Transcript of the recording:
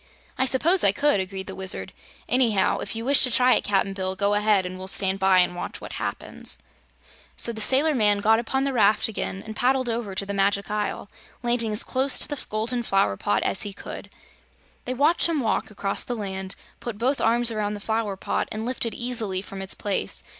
"I suppose I could," agreed the Wizard. "Anyhow, if you wish to try it, Cap'n Bill, go ahead and we'll stand by and watch what happens." So the sailor man got upon the raft again and paddled over to the Magic Isle, landing as close to the golden flower pot as he could. They watched him walk across the land, put both arms around the flower pot and lift it easily from its place.